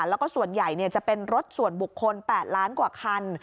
แล้วก็ส่วนใหญ่จะเป็นรถส่วนบุคคล๘ล้านกว่าคัน